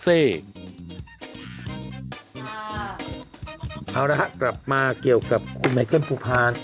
เอาละฮะกลับมาเกี่ยวกับคุณไมเคิลภูพาล